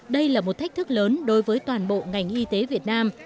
đây là một thách thức lớn đối với toàn bộ ngành y tế việt nam